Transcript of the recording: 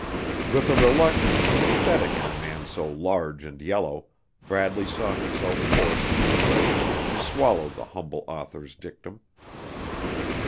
With a reluctance pathetic in a man so large and yellow, Bradley saw himself forced for the present to swallow the humble author's dictum.